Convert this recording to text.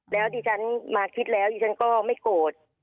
แล้วดิฉันมาคิดแล้วดิฉันก็ไม่โกรธ